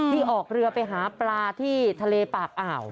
ออกเรือไปหาปลาที่ทะเลปากอ่าว